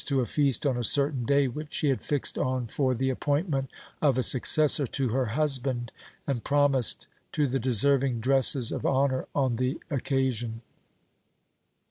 LIFE OF GURU GOBIND SINGH 23 a feast on a certain day which she had fixed on for the appointment of a successor to her husband, and promised to the deserving dresses of honour on the occasion.